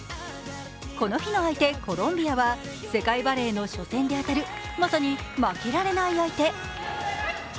この日の相手、コロンビアは世界バレーの初戦で当たるまさに負けられない相手。